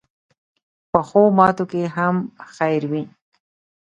پخو ماتو کې هم خیر وي